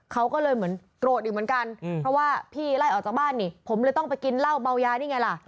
เขาก็เลยเหมือนโกรธอีกเหมือนกันเพราะว่าพี่ไล่ออกจากบ้านนี่ผมเลยต้องไปกินเหล้าเมายานี่ไงล่ะ